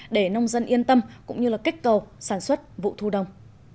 để nông dân yên tâm cũng như kích cầu sản xuất vụ thu đông